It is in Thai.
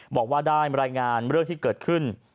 บอกว่าได้รายงานเรื่องที่เกิดขึ้น